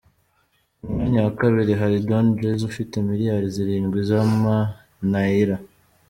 Ku mwanya wa kabiri hari Don Jazzy ufite miliyari zirindwi z’ama-Naira.